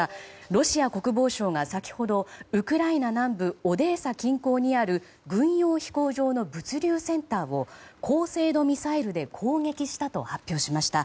ロシア国防省が、先ほどウクライナ南部オデ−サ近郊にある軍用飛行場の物流センターを高精度ミサイルで攻撃したと発表しました。